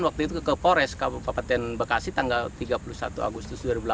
waktu itu ke polres kabupaten bekasi tanggal tiga puluh satu agustus dua ribu delapan belas